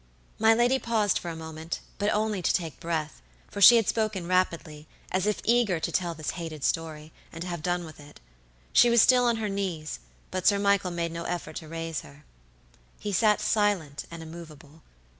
My lady paused for a moment, but only to take breath, for she had spoken rapidly, as if eager to tell this hated story, and to have done with it. She was still on her knees, but Sir Michael made no effort to raise her. He sat silent and immovable.